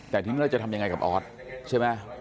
แต่ที่นี่เราจะทำยังไงกับออสใช่ไหม